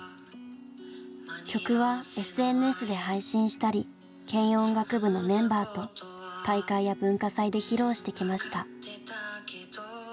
曲はＳＮＳで配信したり軽音楽部のメンバーと大会や文化祭で披露してきました。